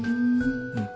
うん。